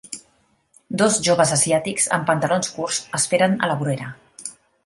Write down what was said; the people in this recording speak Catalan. Dos joves asiàtics en pantalons curts esperen a la vorera.